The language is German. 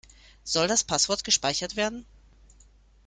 Soll das Passwort gespeichert werden?